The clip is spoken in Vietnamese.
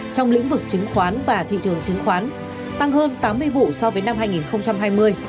trong lĩnh vực chứng khoán và thị trường chứng khoán tăng hơn tám mươi vụ so với năm hai nghìn hai mươi